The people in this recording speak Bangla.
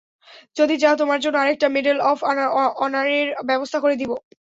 যদি চাও, তোমার জন্য আরেকটা মেডেল অফ অনারের ব্যবস্থা করে দিবো।